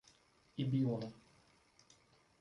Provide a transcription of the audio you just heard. Ibiúna